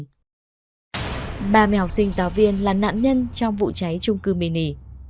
ba mươi học sinh tàu viên là nạn nhân trong vụ cháy trung cư mini